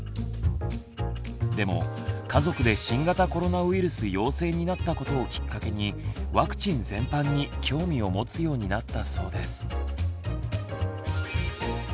でも家族で新型コロナウイルス陽性になったことをきっかけにワクチン全般に興味を持つようになったそうです。